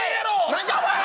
何やお前！